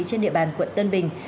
trên địa bàn quận tân bình